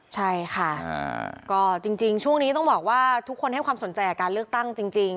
ใช่ค่ะก็จริงช่วงนี้ต้องบอกว่าทุกคนให้ความสนใจกับการเลือกตั้งจริง